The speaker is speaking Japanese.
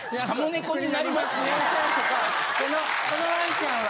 このワンちゃんは。